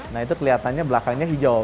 nah itu kelihatannya belakangnya hijau